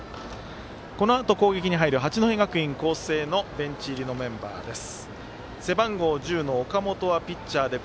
このあと攻撃に入る八戸学院光星のベンチ入りのメンバーです。